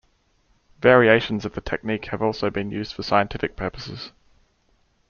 Variations of the technique have also been used for scientific purposes.